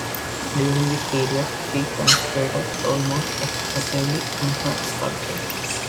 During this period she concentrated almost exclusively on her sculpture.